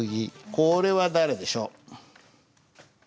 これは誰でしょう？